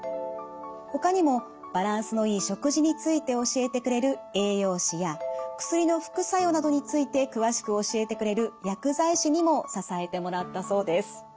ほかにもバランスのいい食事について教えてくれる栄養士や薬の副作用などについて詳しく教えてくれる薬剤師にも支えてもらったそうです。